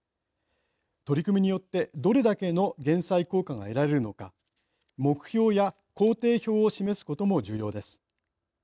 取り組みによってどれだけの減災効果が得られるのか目標や工程表を示すことも重要です。